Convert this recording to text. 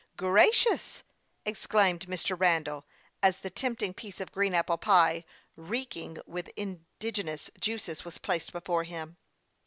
"Gracious !" exclaimed Mr. Randall, as the tempt ing piece of green apple pie, reeking with indige nous juices, was placed before him.